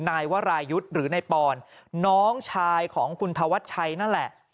นายวรายุทธ์หรือนายปอนน้องชายของคุณธวัชชัยนั่นแหละ